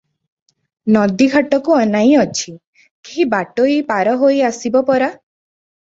ନଦୀଘାଟକୁ ଅନାଇ ଅଛି; କେହି ବାଟୋଇ ପାରିହୋଇ ଆସିବ ପରା!